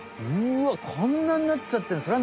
うわこんなんなっちゃってる。